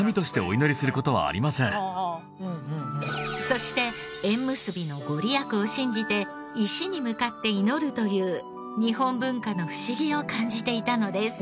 そして縁結びのご利益を信じて石に向かって祈るという日本文化の不思議を感じていたのです。